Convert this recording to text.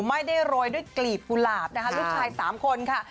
ไม่ได้โรยด้วยกลีบกุหลาบนะคะลูกชาย๓คนค่ะ